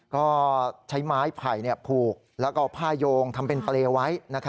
ก็ใช้ไม้ไผ่ผูกแล้วก็ผ้าโยงทำเป็นเปรย์ไว้